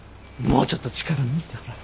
もうちょっと力抜いたら。